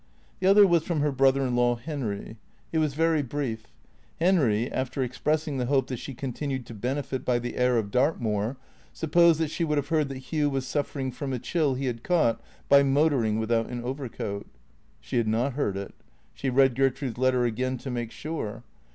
The other was from her brother in law, Henry. It was very brief. Henry, after ex pressing the hope that she continued to benefit by the air of Dartmoor, supposed that she would have heard that Hugh was suffering from a chill he had caught by motoring without an overcoat. She had not heard it. She read Gertrude's letter again to make sure.